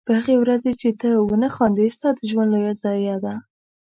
په هغې ورځ چې ته ونه خاندې ستا د ژوند لویه ضایعه ده.